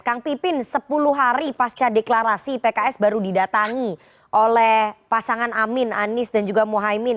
kang pipin sepuluh hari pasca deklarasi pks baru didatangi oleh pasangan amin anies dan juga mohaimin